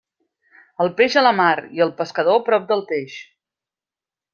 El peix a la mar, i el pescador prop del peix.